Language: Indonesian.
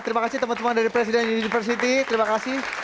terima kasih teman teman dari presiden university terima kasih